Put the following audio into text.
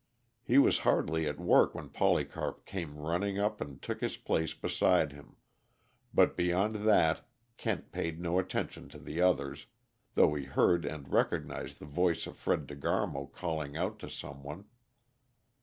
He was hardly at work when Polycarp came running up and took his place beside him; but beyond that Kent paid no attention to the others, though he heard and recognized the voice of Fred De Garmo calling out to some one.